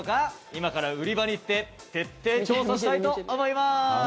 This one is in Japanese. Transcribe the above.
今から売り場に行って徹底調査したいと思いまーす！